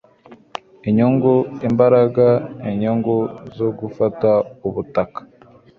Inyungu, imbaraga, inyungu, zo gufata ubutaka!